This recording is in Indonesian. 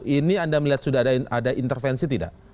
ini anda melihat sudah ada intervensi tidak